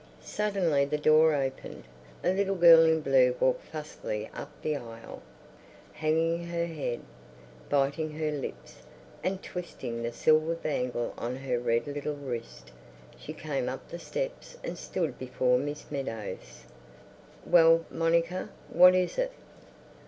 Suddenly the door opened. A little girl in blue walked fussily up the aisle, hanging her head, biting her lips, and twisting the silver bangle on her red little wrist. She came up the steps and stood before Miss Meadows. "Well, Monica, what is it?"